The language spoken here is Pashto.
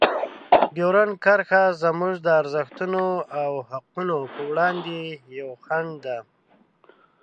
ډیورنډ کرښه زموږ د ارزښتونو او حقونو په وړاندې یوه خنډ ده.